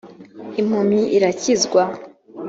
impumyi irakizwa.